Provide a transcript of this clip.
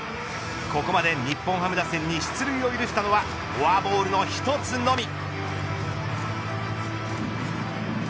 ここまで日本ハム打線に出塁を許したのはフォアボールの１つのみ。